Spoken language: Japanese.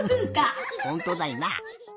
ほんとだいな。